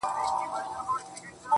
د مرور روح د پخلا وجود کانې دي ته.